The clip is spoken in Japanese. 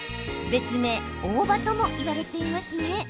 別名、大葉とも言われていますね。